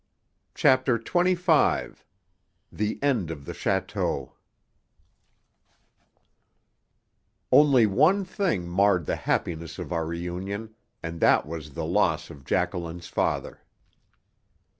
CHAPTER XXV THE END OF THE CHÂTEAU Only one thing marred the happiness of our reunion, and that was the loss of Jacqueline's father.